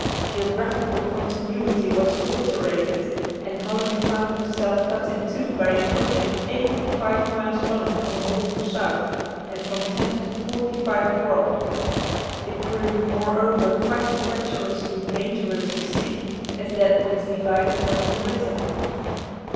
Geographical continuity was obliterated, and Holland found herself cut in two by an ocean eighty five miles long from north to south, and from ten to forty five broad. It proved, moreover, quite as treacherously dangerous a sea as that which divided her from Britain."